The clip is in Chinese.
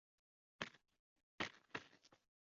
菩提树为板中的精神象征。